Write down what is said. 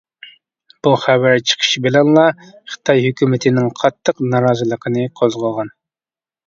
بۇ خەۋەر چىقىشى بىلەنلا خىتاي ھۆكۈمىتىنىڭ قاتتىق نارازىلىقىنى قوزغىغان.